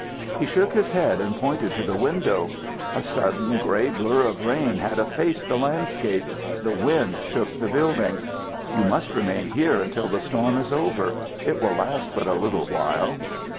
He shook his head and pointed to the window. A sudden gray blur of rain had effaced the landscape. The wind shook the building. "You must remain here until the storm is over. It will last but a little while."